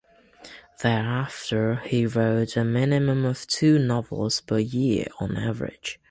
Thereafter, he wrote a minimum of two novels per year, on average.